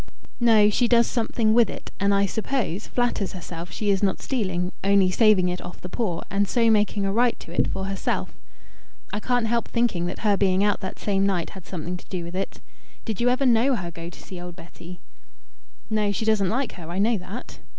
"No, she does something with it, and, I suppose, flatters herself she is not stealing only saving it off the poor, and so making a right to it for herself. I can't help thinking that her being out that same night had something to do with it. Did you ever know her go to see old Betty?" "No, she doesn't like her. I know that."